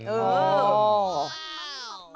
เออโอ้โฮโอ้โฮ